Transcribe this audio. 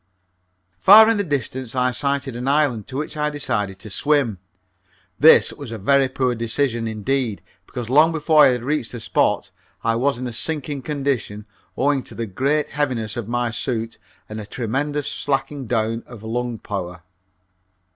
Far in the distance I sighted an island, to which I decided to swim. This was a very poor decision, indeed, because long before I had reached the spot I was in a sinking condition owing to the great heaviness of my suit and a tremendous slacking down of lung power.